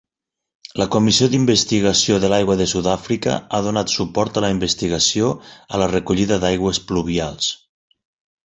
La Comissió d'Investigació de l'Aigua de Sud-àfrica ha donat suport a la investigació a la recollida d'aigües pluvials.